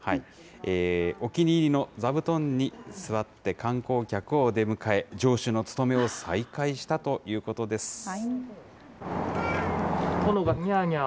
お気に入りの座布団に座って、観光客を出迎え、城主の務めを再開したということです。